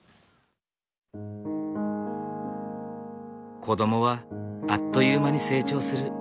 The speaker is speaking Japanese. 子供はあっという間に成長する。